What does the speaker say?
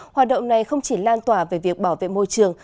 hoạt động này không chỉ lan tỏa về việc bảo vệ môi trường